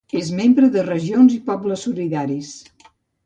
És membre de Regions i Pobles Solidaris.